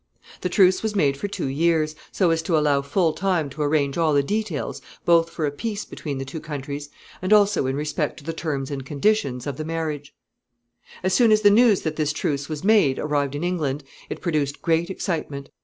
The truce was made for two years, so as to allow full time to arrange all the details both for a peace between the two countries, and also in respect to the terms and conditions of the marriage. [Sidenote: Opposition in England.] As soon as the news that this truce was made arrived in England, it produced great excitement.